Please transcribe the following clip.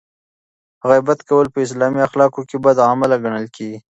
غیبت کول په اسلامي اخلاقو کې بد عمل ګڼل کیږي.